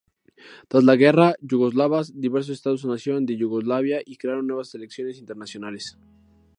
Tras las Guerras Yugoslavas, diversos estados nacieron de Yugoslavia y crearon nuevas selecciones internacionales.